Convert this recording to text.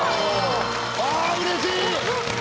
ああうれしい。